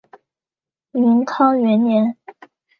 宁康元年。